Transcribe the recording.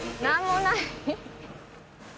何もない。